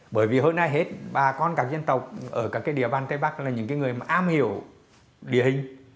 bởi vì hôm nay hết bà con các dân tộc ở các cái địa bàn tây bắc là những người mà am hiểu địa hình